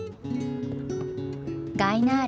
ガイナーレ